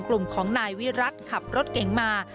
กลุ่มของนายวิรัติขับรถเก๋งมา